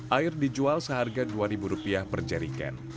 air dijual seharga dua rupiah per jeriken